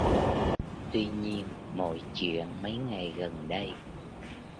Tuy nhiên mọi chuyện mấy ngày gần đây